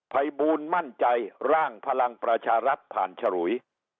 ภัยบูลมั่นใจร่างพลังประชารัฐผ่านฉลุย